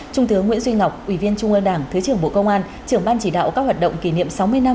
trung tướng nguyễn duy ngọc ủy viên trung ương đảng thứ trưởng bộ công an trưởng ban chỉ đạo các hoạt động kỷ niệm sáu mươi năm